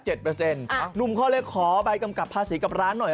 หนุ่มเขาเลยขอใบกำกับภาษีกับร้านหน่อย